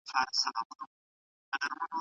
لمرولۍ